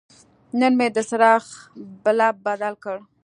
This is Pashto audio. نن مې د څراغ بلب بدل کړ.